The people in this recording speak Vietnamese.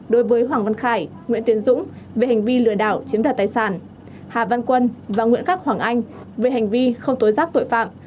đối với hoàng văn khải nguyễn tiến dũng về hành vi lừa đảo chiếm đoạt tài sản hà văn quân và nguyễn khắc hoàng anh về hành vi không tối giác tội phạm